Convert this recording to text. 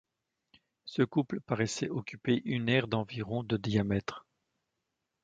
Ce couple paraissait occuper une aire d’environ de diamètre.